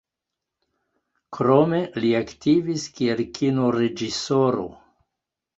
Krome li aktivis kiel Kino-reĝisoro.